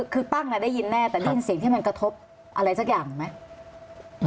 คือปั้งได้ยินแน่แต่ได้ยินเสียงที่มันกระทบอะไรสักอย่างไหม